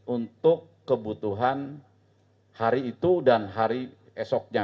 untuk kebutuhan hari itu dan hari esoknya